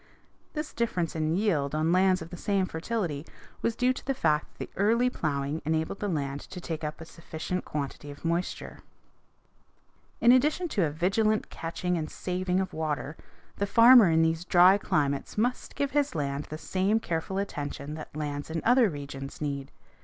This difference in yield on lands of the same fertility was due to the fact that the early plowing enabled the land to take up a sufficient quantity of moisture. [Illustration: FIG. 285. RED KAFIR CORN IN SHOCK] In addition to a vigilant catching and saving of water, the farmer in these dry climates must give his land the same careful attention that lands in other regions need.